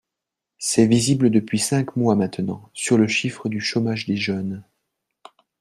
C’est visible depuis cinq mois maintenant sur le chiffre du chômage des jeunes.